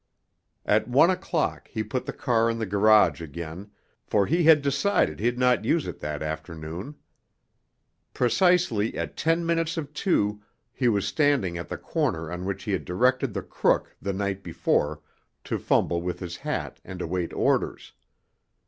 At one o'clock he put the car in the garage again, for he had decided he'd not use it that afternoon. Precisely at ten minutes of two he was standing at the corner on which he had directed the crook the night before to fumble with his hat and await orders.